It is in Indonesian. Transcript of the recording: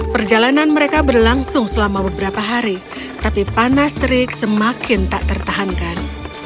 perjalanan mereka berlangsung selama beberapa hari tapi panas terik semakin tak tertahankan